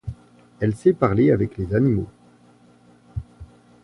Elle sait parler avec les animaux.